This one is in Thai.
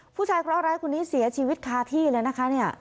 เคราะหร้ายคนนี้เสียชีวิตคาที่เลยนะคะเนี่ย